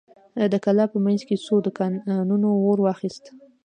د کلا په مينځ کې څو دوکانونو اور واخيست.